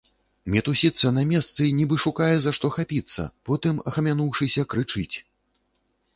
Мітусіцца на месцы, нібы шукае, за што хапіцца, потым, ахамянуўшыся, крычыць.